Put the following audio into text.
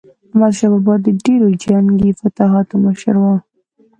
احمدشاه بابا د ډیرو جنګي فتوحاتو مشر و.